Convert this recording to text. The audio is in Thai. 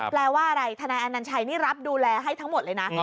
แปลว่าอะไรทนายอนัญชัยนี่รับดูแลให้ทั้งหมดเลยนะ